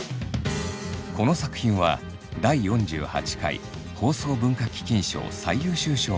この作品は第４８回放送文化基金賞最優秀賞を受賞。